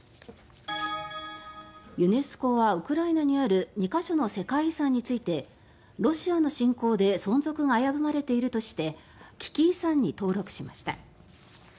ユネスコはウクライナにある２か所の世界遺産についてロシアの侵攻で存続が危ぶまれているとして危機遺産に登録しました。